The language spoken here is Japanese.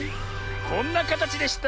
こんなかたちでした。